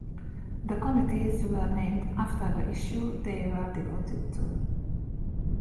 The committees were named after the issue they were devoted to.